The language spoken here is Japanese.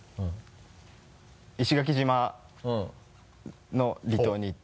石垣島の離島に行って。